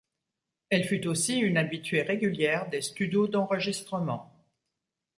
Elle fut aussi une habituée régulière des studios d'enregistrement.